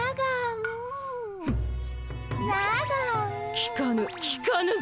きかぬきかぬぞ。